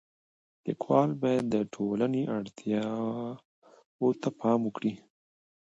لیکوال باید د ټولنې اړتیاو ته پام وکړي.